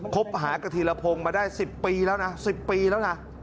คบหากับธีรพงศ์มาได้๑๐ปีแล้วนะ๑๐ปีแล้วนะ